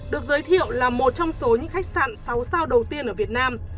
được giới thiệu là một trong số những khách sạn sáu sao đầu tiên ở việt nam